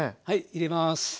はい入れます。